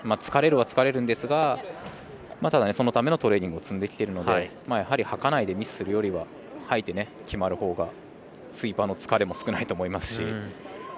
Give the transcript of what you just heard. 疲れるは疲れるんですがそのためのトレーニングを積んでいるのではかないでミスするよりははいて決まるほうがスイーパーの疲れも少ないと思いますし。